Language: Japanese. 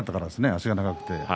足が長くて。